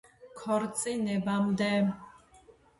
ქორწინებამდე